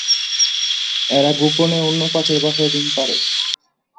এরা গোপনে অন্য পাখির বাসায় ডিম পাড়ে।